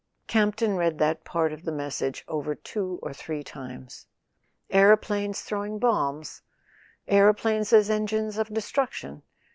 Campton read that part of the message over two or three times. Aeroplanes throwing bombs? Aeroplanes as engines of destruction?